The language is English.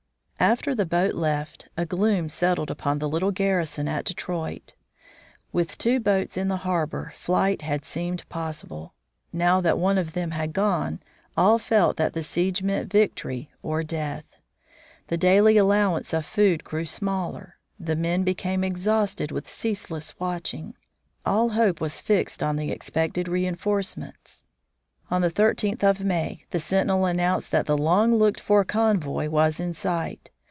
After the boat left, a gloom settled upon the little garrison at Detroit. With two boats in the harbor flight had seemed possible. Now that one of them had gone, all felt that the siege meant victory or death. The daily allowance of food grew smaller. The men became exhausted with ceaseless watching. All hope was fixed on the expected reinforcements. On the thirteenth of May the sentinel announced that the long looked for convoy was in sight.